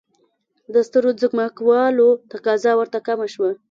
د سترو ځمکوالو تقاضا ورته کمه شوه.